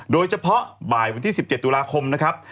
โดยเฉพาะบ่ายวันที่๑๗ตุลาคมนะครับ